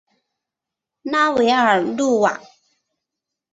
拉韦尔努瓦。